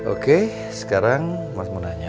oke sekarang mas mau nanya